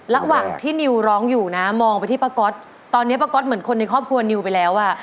ระหว่างที่นิวร้องอยู่นะมองไปที่ป้าก๊อตตอนนี้ป้าก๊อตเหมือนคนในครอบครัวนิวไปแล้วอ่ะ